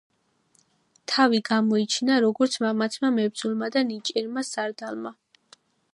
თავი გამოიჩინა, როგორც მამაცმა მებრძოლმა და ნიჭიერმა სარდალმა.